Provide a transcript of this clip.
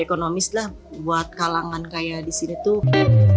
ekonomis lah buat kalangan kayak di sini tuh